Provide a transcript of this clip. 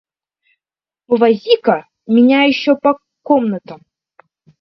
Повози-ка меня еще по комнатам.